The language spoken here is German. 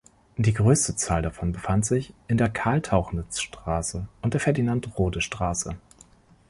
Die größte Zahl davon befand sich in der Karl-Tauchnitz-Straße und der Ferdinand-Rhode-Straße.